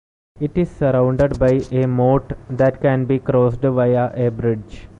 It is surrounded by a moat that can be crossed via a bridge.